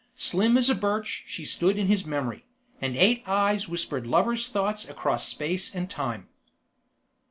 Slim as a birch she stood in his memory, and eight eyes whispered lovers' thoughts across space and time.